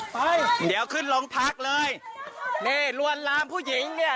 ไปเดี๋ยวขึ้นโรงพักเลยนี่ลวนลามผู้หญิงเนี่ย